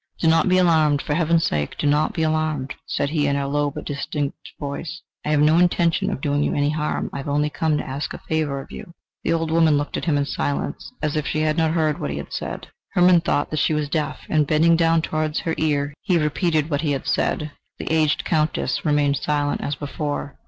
"Do not be alarmed, for Heaven's sake, do not be alarmed!" said he in a low but distinct voice. "I have no intention of doing you any harm, I have only come to ask a favour of you." The old woman looked at him in silence, as if she had not heard what he had said. Hermann thought that she was deaf, and bending down towards her ear, he repeated what he had said. The aged Countess remained silent as before.